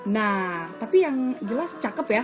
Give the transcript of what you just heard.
nah tapi yang jelas cakep ya